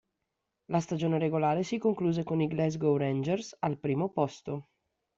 La stagione regolare si concluse con i Glasgow Rangers al primo posto.